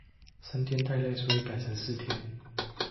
三天太累所以改成四天